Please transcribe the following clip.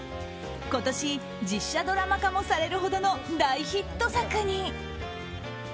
今年実写ドラマ化もされるほどの大ヒット作に。